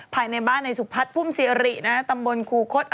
ภายในบ้านในสุขพัฒน์ภูมิเสียหรี่ตำบลครูโคตร